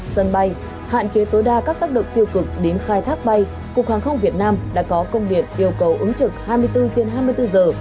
sân bay hạn chế tối đa các tác động tiêu cực đến khai thác bay cục hàng không việt nam đã có công điện yêu cầu ứng trực hai mươi bốn trên hai mươi bốn giờ